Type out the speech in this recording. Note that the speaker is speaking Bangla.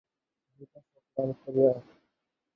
ক্রমে সন্ধ্যা হইয়া আসিল।